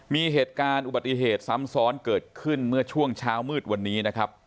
มีเหตุการณ์อุบัติเหตุซ้ำซ้อนเกิดขึ้นเมื่อช่วงเช้ามืดวันนี้นะครับ